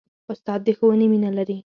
استاد د ښوونې مینه لري.